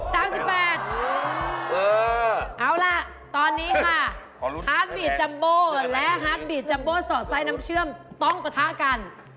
เอาล่ะตอนนี้ค่ะฮาร์ดบีดจัมโบและฮาร์ดบีดจัมโบสอดไส้น้ำเชื่อมต้องปะทะกัน